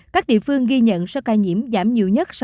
các địa phương ghi nhận số ca nhiễm giảm nhiều nhất